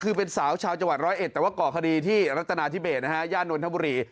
คือเป็นสาวชาวจังหวัดร้อยเอ็ดแต่ว่าก่อคดีที่รัฐนาธิเบสนะฮะย่านนทบุรี